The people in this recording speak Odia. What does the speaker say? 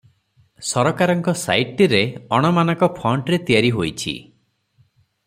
ସରକାରଙ୍କ ସାଇଟଟିରେ ଅଣ-ମାନକ ଫଣ୍ଟରେ ତିଆରି ହୋଇଛି ।